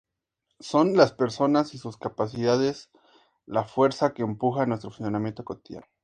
Son las personas y sus capacidades la fuerza que empuja nuestro funcionamiento cotidiano.